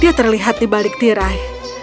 dia terlihat di balik tirai